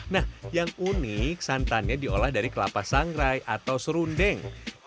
nah yang unik santannya diolah dari kelapa sangrai atau serundeng